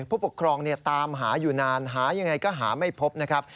ผู้ปกครองตามหาอยู่นานหายังไงก็หาไม่พบนะครับ